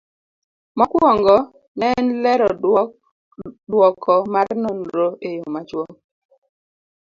Mokwongo, ne en lero duoko mar nonro e yo machuok